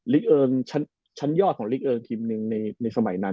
ลิุเกิ้งชันยอดของทีมหนึ่งในในสมัยนั้น